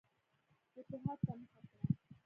فتوحاتو ته مخه کړه.